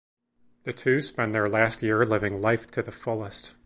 The two spend their last year living life to the fullest.